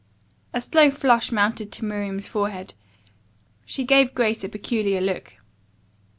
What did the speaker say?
A slow flush mounted to Miriam's forehead. She gave Grace a peculiar look.